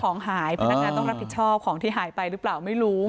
ของหายพนักงานต้องรับผิดชอบของที่หายไปหรือเปล่าไม่รู้